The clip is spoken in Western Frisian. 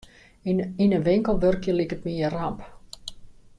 Yn in winkel wurkje liket my in ramp.